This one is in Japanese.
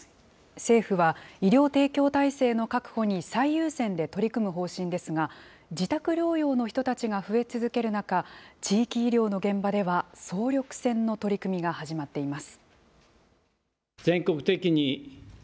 政府は、医療提供体制の確保に最優先で取り組む方針ですが、自宅療養の人たちが増え続ける中、地域医療の現場では、総力戦の取り組みが始まっています。